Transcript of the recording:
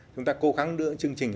chúng ta cố gắng đưa đến chương trình